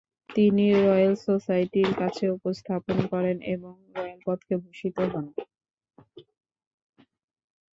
তিনি রয়েল সোসাইটির কাছে উপস্থাপন করেন এবং রয়েল পদকে ভূষিত হন।